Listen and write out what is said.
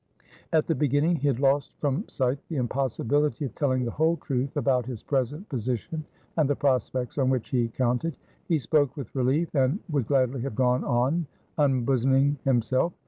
At the beginning, he had lost from sight the impossibility of telling the whole truth about his present position and the prospects on which he counted; he spoke with relief, and would gladly have gone on unbosoming himself.